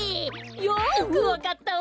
よくわかったわ。